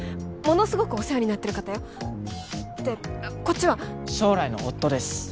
ものすごくお世話になってる方よでこっちは将来の夫です